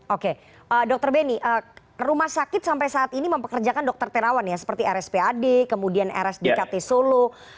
oke dr beni rumah sakit sampai saat ini mempekerjakan dokter terawan ya seperti rspad kemudian rsdkt solo